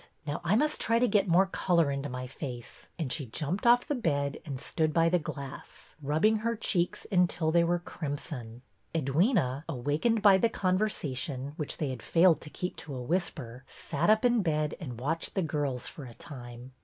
Now I must try to get more color into my face," and she jumped off the bed and stood by the glass, rubbing her cheeks until they were crimson. Edwyna, awakened by the conversation, which they had failed to keep to a whisper, sat up in bed and watched the girls for a time.